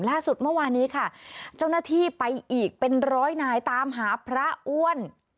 เมื่อวานี้ค่ะเจ้าหน้าที่ไปอีกเป็นร้อยนายตามหาพระอ้วน